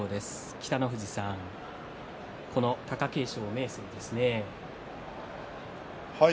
北の富士さん貴景勝と明生ですね。